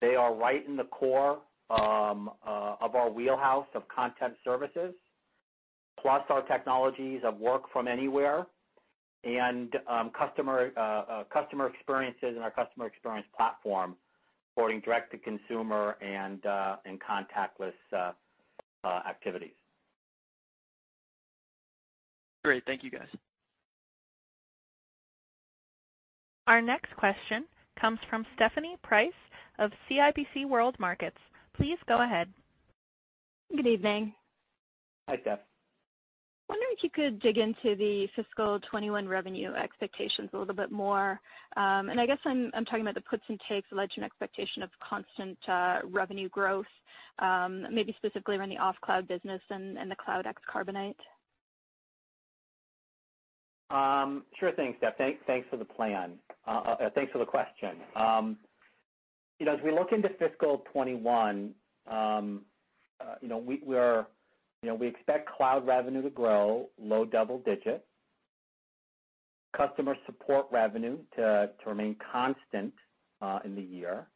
They are right in the core of our wheelhouse of content services, plus our technologies of work from anywhere and customer experiences and our customer experience platform supporting direct-to-consumer and contactless activities. Great. Thank you, guys. Our next question comes from Stephanie Price of CIBC World Markets. Please go ahead. Good evening. Hi, Steph. Wondering if you could dig into the fiscal 2021 revenue expectations a little bit more. I guess I'm talking about the puts and takes that led to an expectation of constant revenue growth, maybe specifically around the off-cloud business and the Cloud ex Carbonite. Sure thing, Steph. Thanks for the plan. Thanks for the question. As we look into fiscal 2021, we expect cloud revenue to grow low double digits, customer support revenue to remain constant in the year,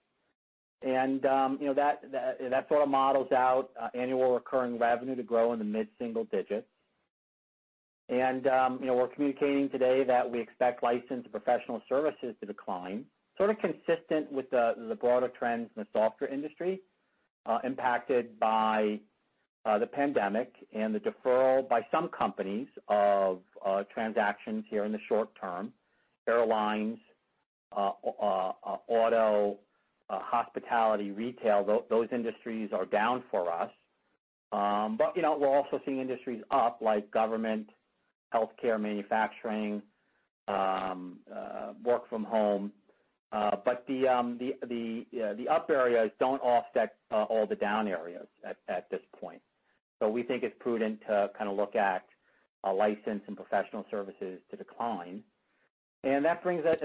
and that sort of models out annual recurring revenue to grow in the mid-single digits. We're communicating today that we expect licensed professional services to decline, sort of consistent with the broader trends in the software industry, impacted by the pandemic and the deferral by some companies of transactions here in the short term. Airlines, auto, hospitality, retail, those industries are down for us. We're also seeing industries up, like government, healthcare, manufacturing, work from home. The up areas don't offset all the down areas at this point. We think it's prudent to kind of look at licensed and professional services to decline. That brings us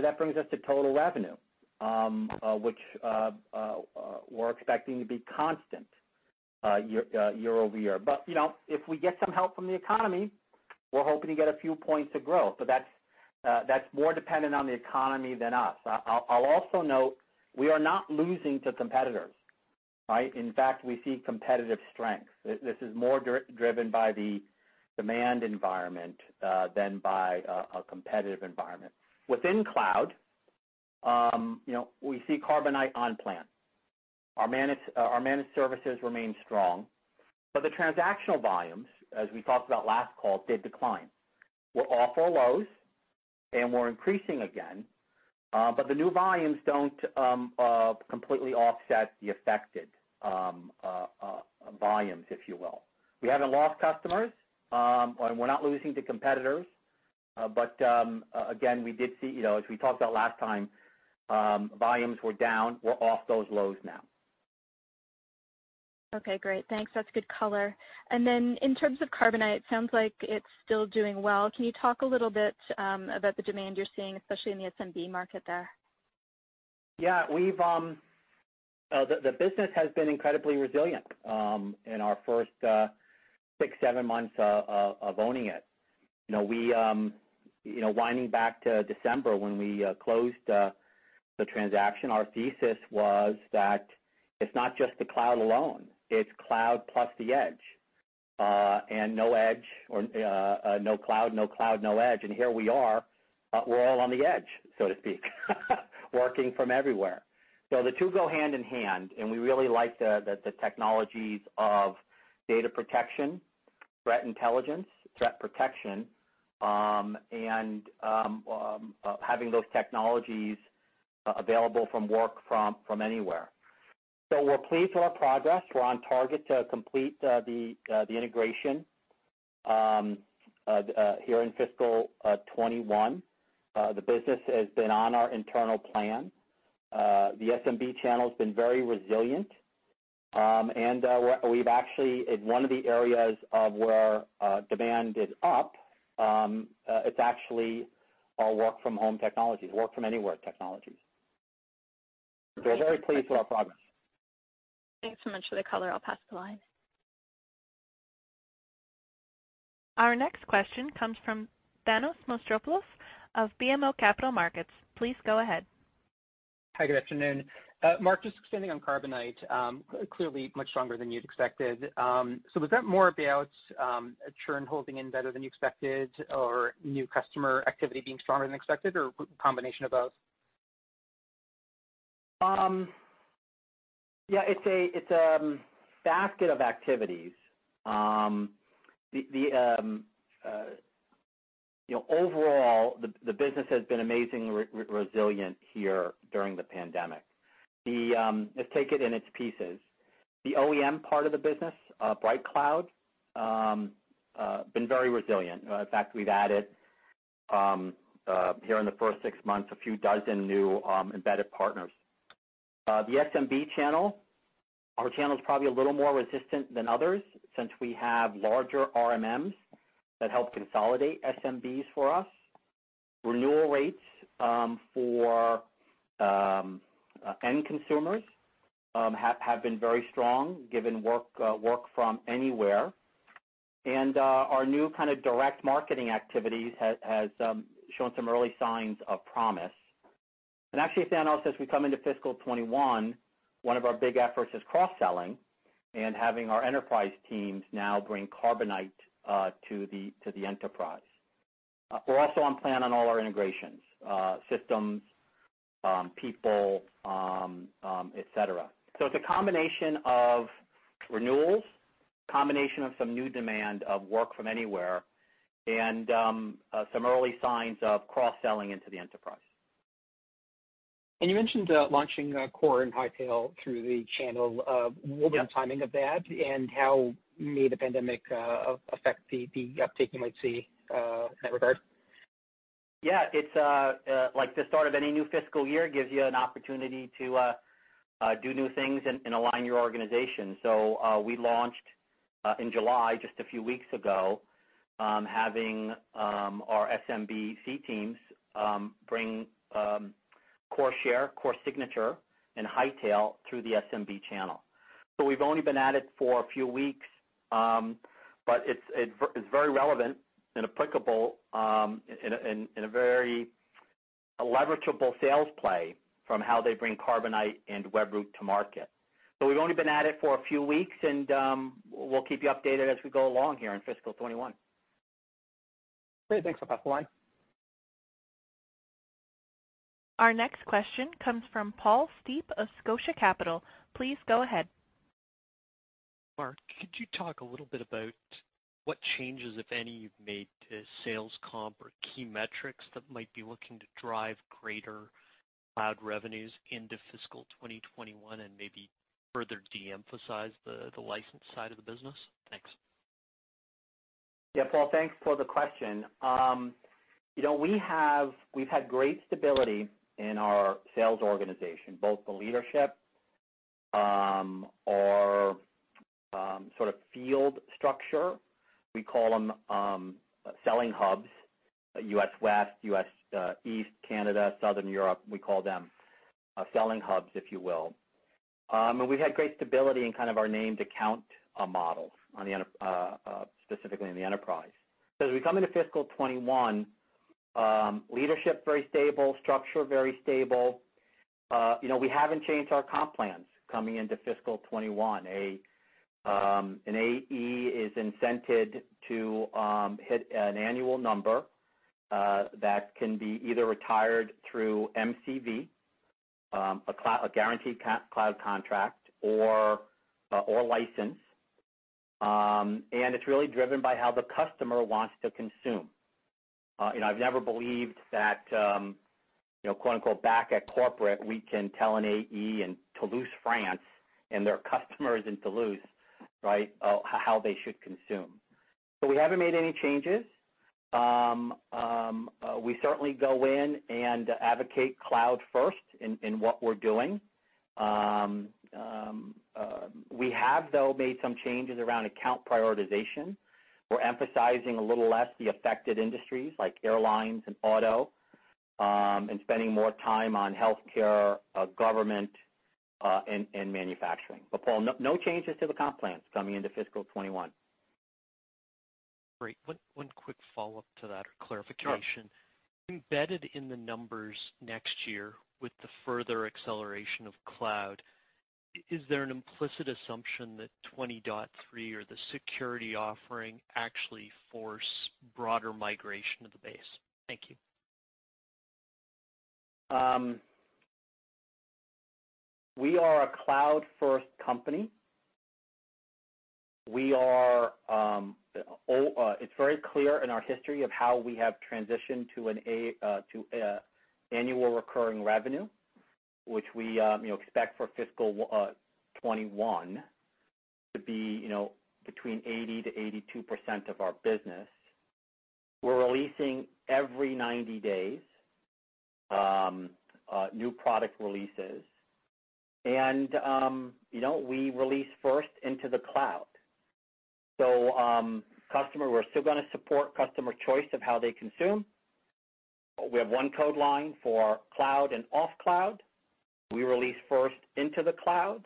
to total revenue, which we're expecting to be constant year-over-year. If we get some help from the economy, we're hoping to get a few points of growth. That's more dependent on the economy than us. I'll also note, we are not losing to competitors, right? In fact, we see competitive strength. This is more driven by the demand environment than by a competitive environment. Within cloud, we see Carbonite on plan. Our managed services remain strong, but the transactional volumes, as we talked about last call, did decline. We're off our lows, and we're increasing again, but the new volumes don't completely offset the affected volumes, if you will. We haven't lost customers, and we're not losing to competitors. Again, we did see, as we talked about last time, volumes were down. We're off those lows now. Okay, great. Thanks. That's good color. In terms of Carbonite, sounds like it's still doing well. Can you talk a little bit about the demand you're seeing, especially in the SMB market there? Yeah. The business has been incredibly resilient in our first six, seven months of owning it. Winding back to December when we closed the transaction, our thesis was that it's not just the cloud alone, it's cloud plus the edge. No edge or no cloud, no cloud, no edge. Here we are, we're all on the edge, so to speak, working from everywhere. The two go hand-in-hand, and we really like the technologies of data protection, threat intelligence, threat protection, and having those technologies available from work from anywhere. We're pleased with our progress. We're on target to complete the integration here in fiscal 2021. The business has been on our internal plan. The SMB channel's been very resilient. We've actually, in one of the areas of where demand is up, it's actually our work from home technologies, work from anywhere technologies. We're very pleased with our progress. Thanks so much for the color. I'll pass the line. Our next question comes from Thanos Moschopoulos of BMO Capital Markets. Please go ahead. Hi, good afternoon. Mark, just expanding on Carbonite, clearly much stronger than you'd expected. Was that more about churn holding in better than you expected or new customer activity being stronger than expected or a combination of both? Yeah, it's a basket of activities. Overall, the business has been amazingly resilient here during the pandemic. Let's take it in its pieces. The OEM part of the business, BrightCloud, been very resilient. In fact, we've added, here in the first six months, a few dozen new embedded partners. The SMB channel. Our channel is probably a little more resistant than others since we have larger RMMs that help consolidate SMBs for us. Renewal rates for end consumers have been very strong given work from anywhere. Our new kind of direct marketing activities has shown some early signs of promise. Actually, if anything else, as we come into fiscal 2021, one of our big efforts is cross-selling and having our enterprise teams now bring Carbonite to the enterprise. We're also on plan on all our integrations, systems, people, et cetera. It's a combination of renewals, combination of some new demand of work from anywhere, and some early signs of cross-selling into the enterprise. You mentioned launching Core and Hightail through the channel. Yeah. What was the timing of that, and how may the pandemic affect the uptake you might see in that regard? Yeah. The start of any new fiscal year gives you an opportunity to do new things and align your organization. We launched in July, just a few weeks ago, having our SMB C teams bring Core Share, Core Signature, and Hightail through the SMB channel. We've only been at it for a few weeks, but it's very relevant and applicable in a very leverageable sales play from how they bring Carbonite and Webroot to market. We've only been at it for a few weeks, and we'll keep you updated as we go along here in fiscal 2021. Great. Thanks a lot, Paul. Our next question comes from Paul Steep of Scotia Capital. Please go ahead. Mark, could you talk a little bit about what changes, if any, you've made to sales comp or key metrics that might be looking to drive greater cloud revenues into fiscal 2021 and maybe further de-emphasize the license side of the business? Thanks. Yeah, Paul, thanks for the question. We've had great stability in our sales organization, both the leadership, our sort of field structure. We call them selling hubs, U.S. West, U.S. East, Canada, Southern Europe. We call them selling hubs, if you will. We've had great stability in kind of our named account model, specifically in the enterprise. As we come into fiscal 2021, leadership very stable, structure very stable. We haven't changed our comp plans coming into fiscal 2021. An AE is incented to hit an annual number that can be either retired through MCV, a guaranteed cloud contract or license. It's really driven by how the customer wants to consume. I've never believed that, quote, unquote, "Back at corporate, we can tell an AE in Toulouse, France, and their customers in Toulouse how they should consume." We haven't made any changes. We certainly go in and advocate cloud first in what we're doing. We have, though, made some changes around account prioritization. We're emphasizing a little less the affected industries like airlines and auto, and spending more time on healthcare, government, and manufacturing. Paul, no changes to the comp plans coming into fiscal 2021. Great. One quick follow-up to that or clarification. Sure. Embedded in the numbers next year with the further acceleration of cloud, is there an implicit assumption that 20.3 or the security offering actually force broader migration of the base? Thank you. We are a cloud-first company. It's very clear in our history of how we have transitioned to an annual recurring revenue, which we expect for fiscal 2021 to be between 80%-82% of our business. We're releasing every 90 days, new product releases. We release first into the cloud. We're still going to support customer choice of how they consume. We have one code line for cloud and off cloud. We release first into the cloud.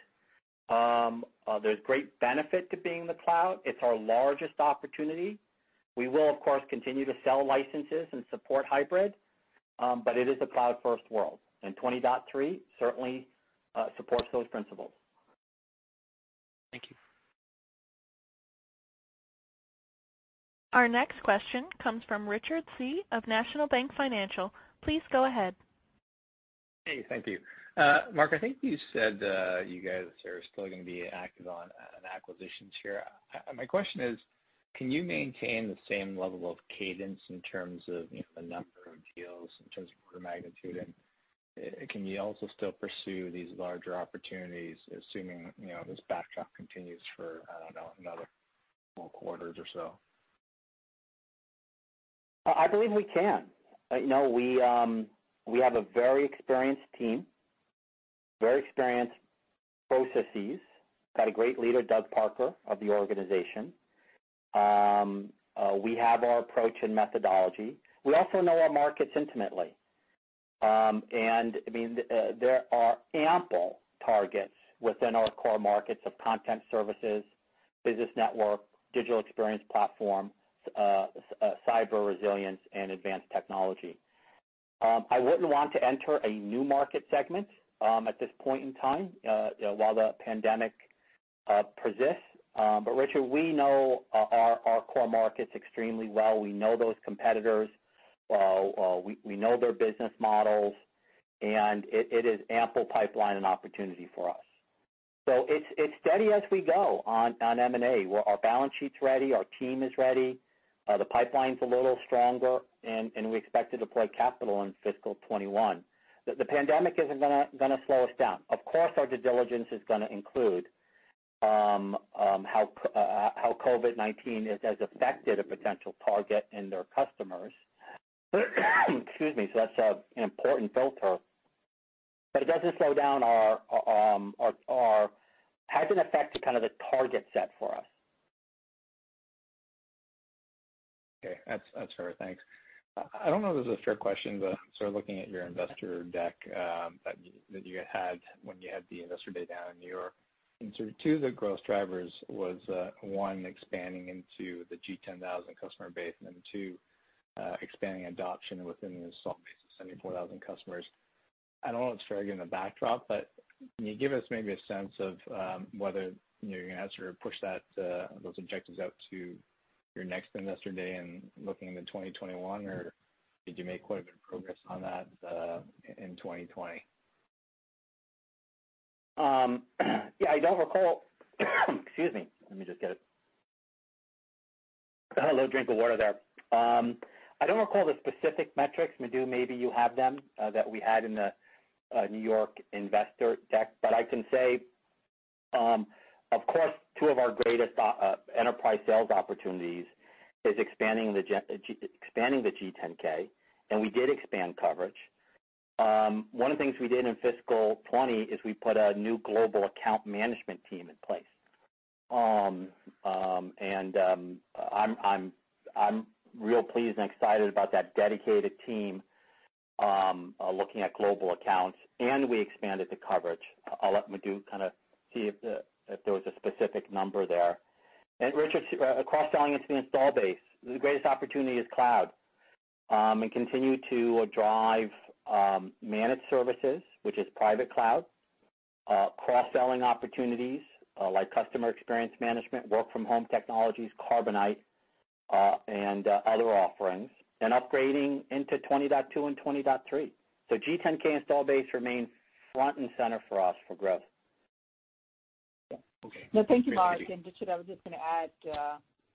There's great benefit to being in the cloud. It's our largest opportunity. We will, of course, continue to sell licenses and support hybrid, but it is a cloud-first world. 20.3 certainly supports those principles. Thank you. Our next question comes from Richard Tse of National Bank Financial. Please go ahead. Hey, thank you. Mark, I think you said you guys are still going to be active on acquisitions here. My question is, can you maintain the same level of cadence in terms of the number of deals, in terms of order magnitude? Can you also still pursue these larger opportunities, assuming this backdrop continues for, I don't know, another four quarters or so? I believe we can. We have a very experienced team, very experienced processes, got a great leader, Doug Parker, of the organization. We have our approach and methodology. We also know our markets intimately. There are ample targets within our core markets of content services, business network, digital experience platform, cyber resilience, and advanced technology. I wouldn't want to enter a new market segment at this point in time while the pandemic persists. Richard, we know our core markets extremely well. We know those competitors, we know their business models, and it is ample pipeline and opportunity for us. It's steady as we go on M&A, where our balance sheet's ready, our team is ready, the pipeline's a little stronger, and we expect to deploy capital in fiscal 2021. The pandemic isn't going to slow us down. Of course, our due diligence is going to include how COVID-19 has affected a potential target and their customers. Excuse me. That's an important filter, but it hasn't affected the target set for us. Okay. That's fair. Thanks. I don't know if this is a fair question, but looking at your investor deck that you had when you had the investor day down in New York. Two of the growth drivers was, one, expanding into the Global 10,000 customer base, and then two, expanding adoption within the install base of 74,000 customers. I don't know if it's fair given the backdrop, but can you give us maybe a sense of whether you're going to have to push those objectives out to your next investor day and looking into 2021, or did you make quite a bit of progress on that in 2020? Yeah, I don't recall. Excuse me. Let me just get a little drink of water there. I don't recall the specific metrics. Madhu, maybe you have them, that we had in the New York investor deck. I can say, of course, two of our greatest enterprise sales opportunities is expanding the G 10K, and we did expand coverage. One of the things we did in fiscal 2020 is we put a new global account management team in place. I'm real pleased and excited about that dedicated team looking at global accounts, and we expanded the coverage. I'll let Madhu see if there was a specific number there. Richard, cross-selling into the install base, the greatest opportunity is cloud. We continue to drive managed services, which is private cloud, cross-selling opportunities, like customer experience management, work from home technologies, Carbonite, and other offerings, and upgrading into 20.2 and 20.3. G 10K install base remains front and center for us for growth. Okay. No, thank you, Mark. Richard, I was just going to add,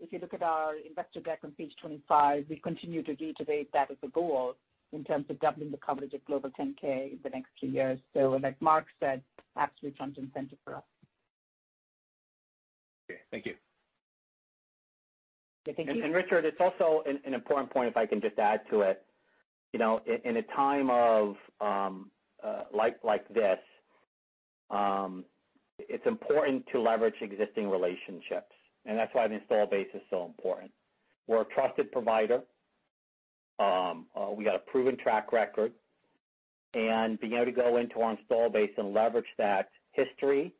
if you look at our investor deck on page 25, we continue to reiterate that as a goal in terms of doubling the coverage of Global 10K in the next two years. Like Mark said, that's front and center for us. Okay. Thank you. Thank you. Richard, it's also an important point, if I can just add to it. In a time like this, it's important to leverage existing relationships, and that's why the install base is so important. We're a trusted provider. We got a proven track record. Being able to go into our install base and leverage that history,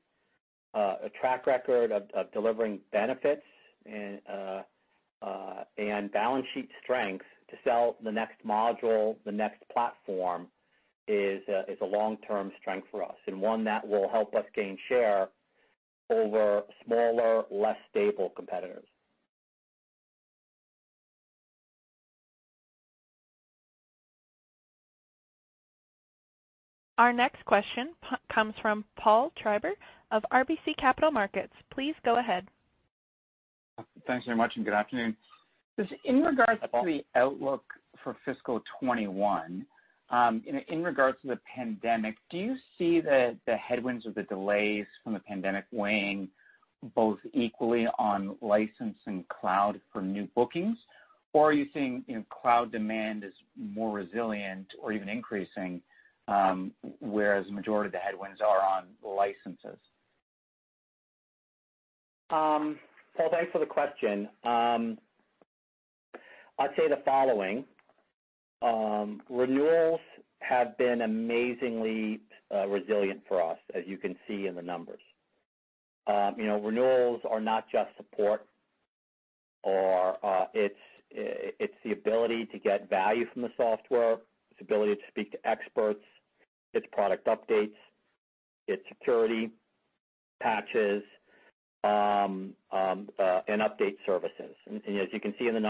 a track record of delivering benefits, and balance sheet strength to sell the next module, the next platform, is a long-term strength for us and one that will help us gain share over smaller, less stable competitors. Our next question comes from Paul Treiber of RBC Capital Markets. Please go ahead. Thanks very much, good afternoon. In regards to the outlook for fiscal 2021, in regards to the pandemic, do you see the headwinds or the delays from the pandemic weighing both equally on license and cloud for new bookings? Are you seeing cloud demand as more resilient or even increasing, whereas the majority of the headwinds are on licenses? Paul, thanks for the question. I'd say the following. Renewals have been amazingly resilient for us, as you can see in the numbers. Renewals are not just support. It's the ability to get value from the software. It's the ability to speak to experts. It's product updates. It's security patches and update services. As you can see in the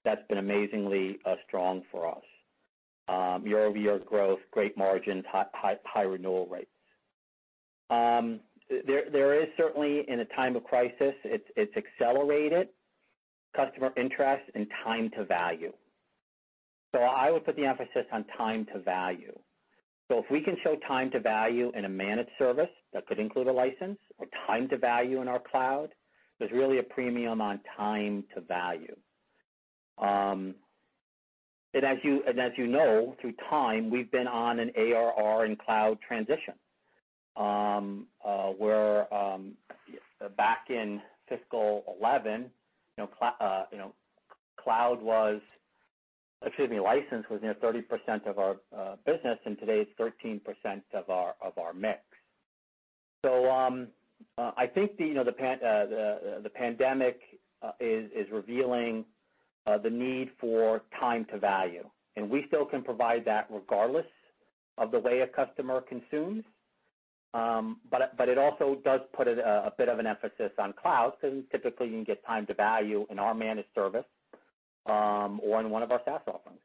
numbers, that's been amazingly strong for us. Year-over-year growth, great margins, high renewal rates. There is certainly, in a time of crisis, it's accelerated customer interest and time to value. I would put the emphasis on time to value. If we can show time to value in a managed service, that could include a license, or time to value in our cloud, there's really a premium on time to value. As you know, through time, we've been on an ARR and cloud transition, where back in fiscal 2011, license was near 30% of our business, and today it's 13% of our mix. I think the pandemic is revealing the need for time to value. We still can provide that regardless of the way a customer consumes. It also does put a bit of an emphasis on cloud, because typically you can get time to value in our managed service, or in one of our SaaS offerings.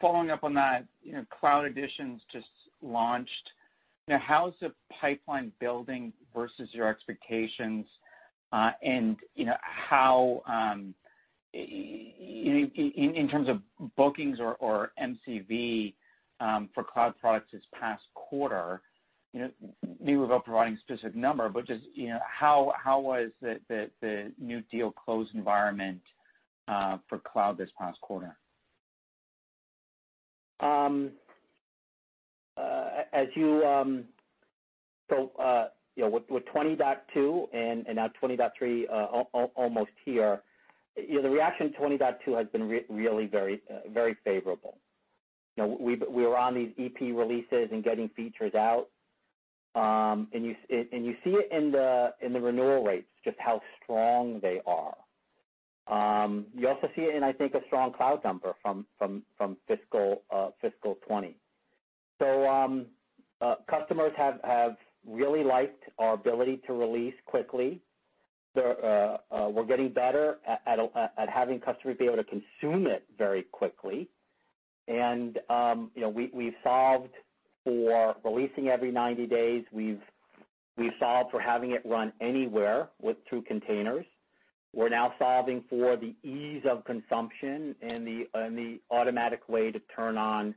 Following up on that, Cloud Editions just launched. How's the pipeline building versus your expectations? In terms of bookings or MCV for cloud products this past quarter, maybe without providing a specific number, but just how was the new deal closed environment for cloud this past quarter? With 20.2 and now 20.3 almost here, the reaction to 20.2 has been really very favorable. We are on these EP releases and getting features out. You see it in the renewal rates, just how strong they are. You also see it in, I think, a strong cloud number from fiscal 2020. Customers have really liked our ability to release quickly. We're getting better at having customers be able to consume it very quickly. We've solved for releasing every 90 days. We've solved for having it run anywhere through containers. We're now solving for the ease of consumption and the automatic way to turn on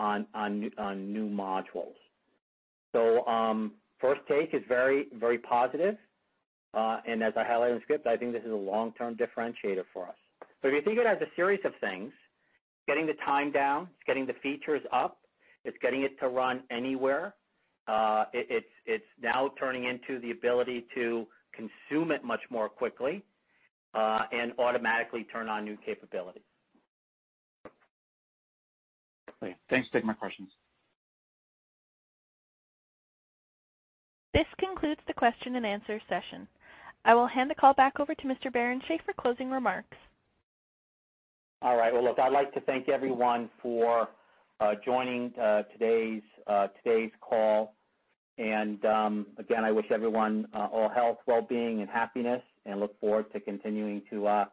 new modules. First take is very positive. As I highlighted in the script, I think this is a long-term differentiator for us. If you think it as a series of things, getting the time down, it's getting the features up, it's getting it to run anywhere. It's now turning into the ability to consume it much more quickly, and automatically turn on new capabilities. Okay. Thanks. Take my questions. This concludes the question and answer session. I will hand the call back over to Mr. Barrenechea for closing remarks. All right. Well, look, I'd like to thank everyone for joining today's call. Again, I wish everyone all health, wellbeing, and happiness, and look forward to continuing to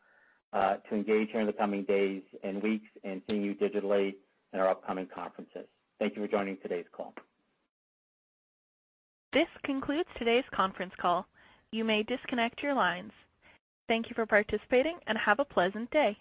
engage here in the coming days and weeks and seeing you digitally in our upcoming conferences. Thank you for joining today's call. This concludes today's conference call. You may disconnect your lines. Thank you for participating, and have a pleasant day.